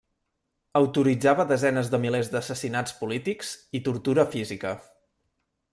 Autoritzava desenes de milers d'assassinats polítics i tortura física.